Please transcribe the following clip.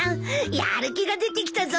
やる気が出てきたぞ！